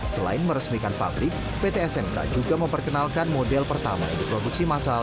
selain meresmikan pabrik pt smk juga memperkenalkan model pertama yang diproduksi masal